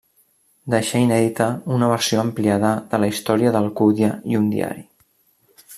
Deixà inèdita una versió ampliada de la Història d'Alcúdia i un diari.